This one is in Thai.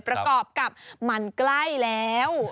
ประกอบกับมันใกล้แล้ว